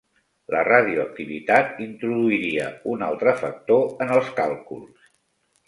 La radioactivitat introduiria un altre factor en els càlculs.